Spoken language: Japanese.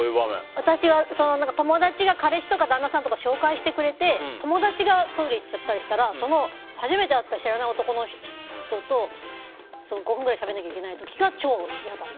友達が彼氏とか旦那さんとか紹介してくれて友達がトイレ行っちゃったりしたら初めて会った知らない男の人と５分ぐらいしゃべらなきゃいけない時が超嫌だ。